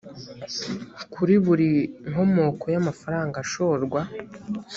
kuri buri nkomoko y amafaranga ashorwa